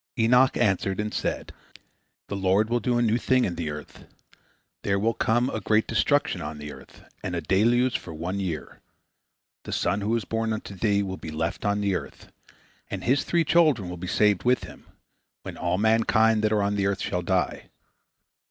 Enoch answered, and said: "The Lord will do a new thing in the earth. There will come a great destruction on the earth, and a deluge for one year. This son who is born unto thee will be left on the earth, and his three children will be saved with him, when all mankind that are on the earth shall die.